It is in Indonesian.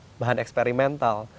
bukan bahan eksperimental